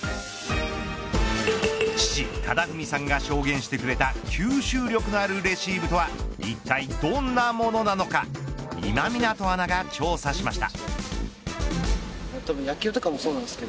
父、忠文さんが証言してくれた吸収力のあるレシーブとはいったいどんなものなのか今湊アナが調査しました。